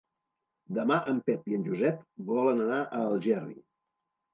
Demà en Pep i en Josep volen anar a Algerri.